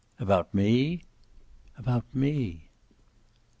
"About me?" "About me."